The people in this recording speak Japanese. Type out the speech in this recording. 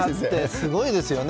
すごいですよね。